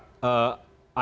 antisipasi libur panjang ya